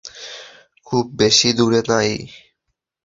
খুব বেশি দূরে নয়।